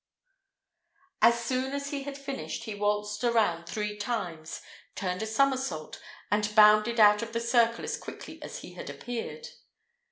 As soon as he had finished, he waltzed around three times, turned a somersault, and bounded out of the circle as quickly as he had appeared.